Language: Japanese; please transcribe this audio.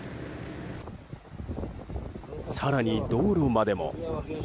更に道路までも。